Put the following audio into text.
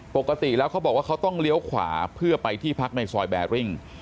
ปกติแล้วเขาบอกว่าเขาต้องเลี้ยวขวาเพื่อไปที่พักในซอยแบริ่ง